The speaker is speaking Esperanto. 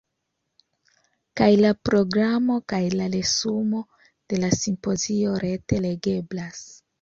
Kaj la programo kaj la resumoj de la simpozio rete legeblas.